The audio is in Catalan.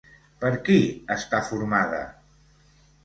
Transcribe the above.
Per qui està formada?